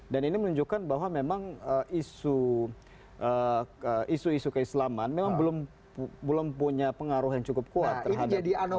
dan ini menunjukkan bahwa memang isu isu keislaman memang belum punya pengaruh yang cukup kuat terhadap masing masing